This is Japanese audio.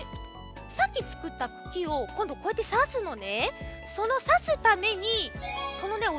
さっきつくったくきをこんどこうやってさすのね。